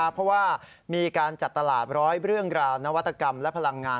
เพราะว่ามีการจัดตลาดร้อยเรื่องราวนวัตกรรมและพลังงาน